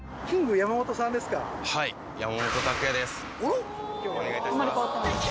はい山本卓弥ですお願いいたします